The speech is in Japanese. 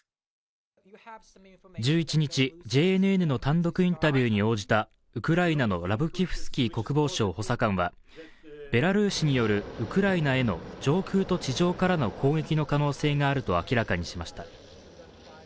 １１日、ＪＮＮの単独インタビューに応じたウクライナのラブキフスキー国防省補佐官はベラルーシによるウクライナへの上空と地上からの攻撃の可能性があると明らかにしました。